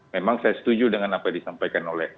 memang saya setuju dengan apa yang disampaikan oleh